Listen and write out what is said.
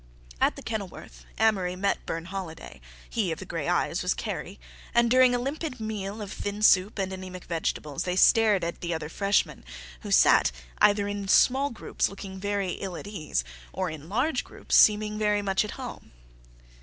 At the Kenilworth Amory met Burne Holiday—he of the gray eyes was Kerry—and during a limpid meal of thin soup and anaemic vegetables they stared at the other freshmen, who sat either in small groups looking very ill at ease, or in large groups seeming very much at home.